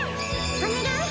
お願い！